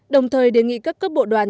đồng thời đề nghị các cấp bộ đoàn